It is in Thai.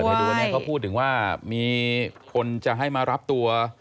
บอกแล้วพูดถึงว่ามีคนจะมารับตัว